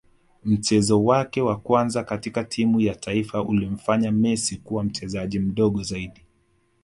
Mchezo wake wa kwanza katika timu ya taifa ulimfanya Messi kuwa mchezaji mdogo zaidi